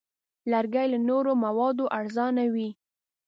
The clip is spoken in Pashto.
لرګی له نورو موادو ارزانه وي.